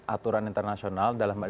aturan internasional dalam